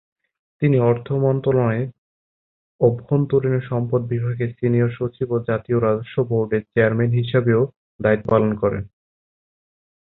তিনি অর্থ মন্ত্রণালয়ের অভ্যন্তরীণ সম্পদ বিভাগের সিনিয়র সচিব ও জাতীয় রাজস্ব বোর্ডের চেয়ারম্যান হিসেবেও দায়িত্ব পালন করেন।